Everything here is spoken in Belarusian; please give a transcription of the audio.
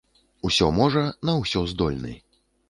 Усё можа, на ўсё здольны.